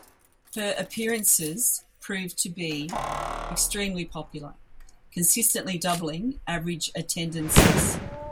Her appearances proved to be extremely popular, consistently doubling average attendances.